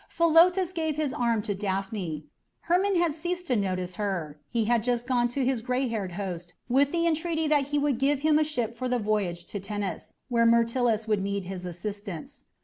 Philotas gave his arm to Daphne. Hermon had ceased to notice her; he had just gone to his gray haired host with the entreaty that he would give him a ship for the voyage to Tennis, where Myrtilus would need his assistance.